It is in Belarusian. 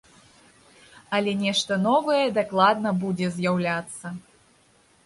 Але нешта новае дакладна будзе з'яўляцца.